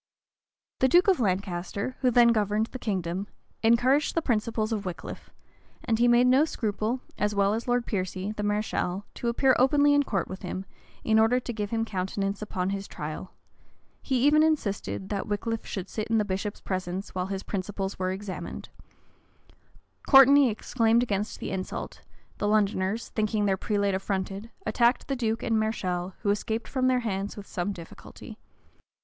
The duke of Lancaster, who then governed the kingdom, encouraged the principles of Wickliffe; and he made no scruple, as well as Lord Piercy, the mareschal, to appear openly in court with him, in order to give him countenance upon his trial: he even insisted, that Wickliffe should sit in the bishop's presence while his principles were examined: Courteney exclaimed against the insult: the Londoners, thinking their prelate affronted, attacked the duke and mareschal, who escaped from their hands with some difficulty.